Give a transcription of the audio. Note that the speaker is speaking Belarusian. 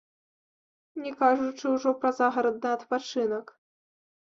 Не кажучы ўжо пра загарадны адпачынак.